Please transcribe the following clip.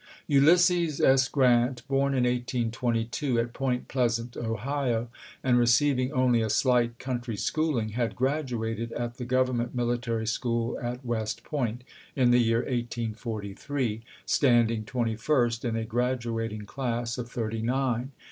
Ulysses S. Grant, born in 1822 at Point Pleasant, Ohio, and recei\Tiig only a slight country schooling, had gi^aduated at the Government military school at West Point, in the year 1843, standing twen ty first in a gi aduating class of thirty nine.